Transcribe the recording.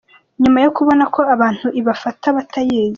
nyuma yo kubona ko abantu ibafata batayizi